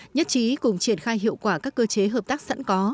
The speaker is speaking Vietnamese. nhất trí cùng triển khai hiệu quả các cơ chế hợp tác sẵn có